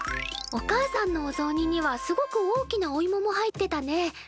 おかあさんのおぞうににはすごく大きなお芋も入ってたね。